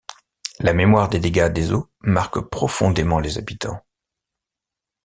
La mémoire des dégâts des eaux marque profondément les habitants.